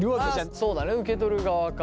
そうだね受け取る側か。